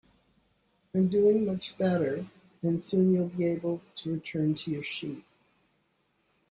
I'm doing much better, and soon you'll be able to return to your sheep.